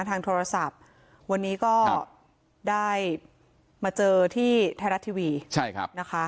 ทางโทรศัพท์วันนี้ก็ได้มาเจอที่ไทยรัฐทีวีใช่ครับนะคะ